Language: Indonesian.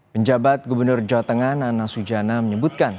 penjabat gubernur jawa tengah nana sujana menyebutkan